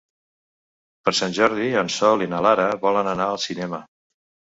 Per Sant Jordi en Sol i na Lara volen anar al cinema.